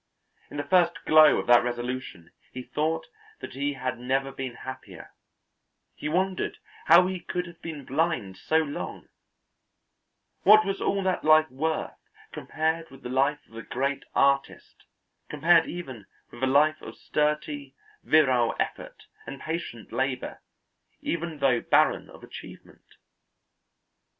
In the first glow of that resolution he thought that he had never been happier; he wondered how he could have been blind so long; what was all that life worth compared with the life of a great artist, compared even with a life of sturdy, virile effort and patient labour even though barren of achievement?